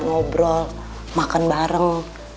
ngobrol makan bareng